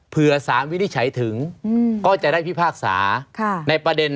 เพื่อสารวินิจฉัยถึงก็จะได้พิพากษาในประเด็น